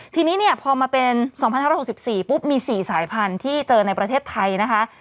ทีนี้เนี่ยพอมาเป็น๒๕๖๔ปุ๊บมี๔สายพันธุ์ที่เจอในประเทศไทยนะคะ